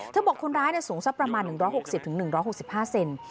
เธอบอกคนร้ายสูงสักประมาณ๑๖๐๑๖๕เซนติเมตร